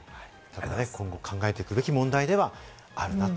今後、変えていくべき問題ではあるなと。